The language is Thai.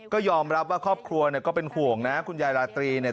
ก็ยอมรับว่าครอบครัวเนี่ยก็เป็นห่วงนะคุณยายราตรีเนี่ย